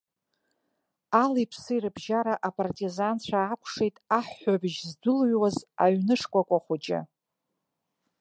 Али-аԥси рыбжьара апартизанцәа аакәшеит аҳәҳәабжь здәылҩуаз аҩны шкәакәа хәыҷы.